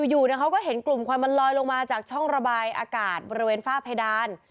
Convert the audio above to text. อยู่เขาก็เห็นกลุ่มควันมันลอยลงมาจากช่องระบายอากาศบริเวณฝ้าเพดาน